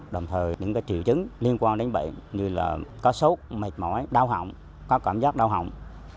đồng thời những triệu chứng liên quan đến bệnh như là có sốt mệt mỏi đau hỏng có cảm giác đau hỏng